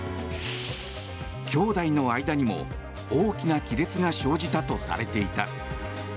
兄弟の間にも大きな亀裂が生じたとされていた。